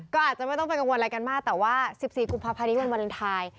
ก็อาจจะไม่ต้องไปกังวลอะไรกันมากแต่ว่า๑๔กุมภาพันธ์นี้วันวาเลนไทย